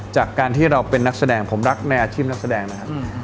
จากการที่เราเป็นนักแสดงผมรักในอาชีพนักแสดงนะครับ